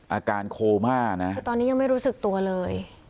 อาการโคม่านะคือตอนนี้ยังไม่รู้สึกตัวเลย